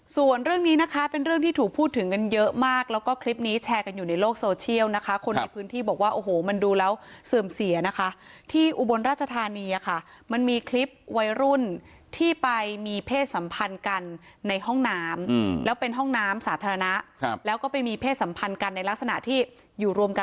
ส่วนเรื่องนี้นะคะเป็นเรื่องที่ถูกพูดถึงกันเยอะมากแล้วก็คลิปนี้แชร์กันอยู่ในโลกโซเชียลนะคะคนในพื้นที่บอกว่าโอ้โหมันดูแล้วเสื่อมเสียนะคะที่อุบลราชธานีค่ะมันมีคลิปวัยรุ่นที่ไปมีเพศสัมพันธ์กันในห้องน้ำแล้วเป็นห้องน้ำสาธารณะแล้วก็ไปมีเพศสัมพันธ์กันในลักษณะที่อยู่รวมกัน